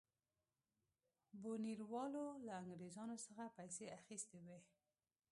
بونیروالو له انګرېزانو څخه پیسې اخیستې وې.